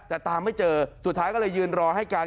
แต่ตามไม่เจอสุดท้ายก็เลยยืนรอให้การ